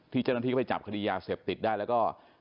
เจ้าหน้าที่ก็ไปจับคดียาเสพติดได้แล้วก็